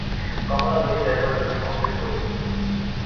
কমলা লইয়া যাইবার জন্য সংকেত করিল।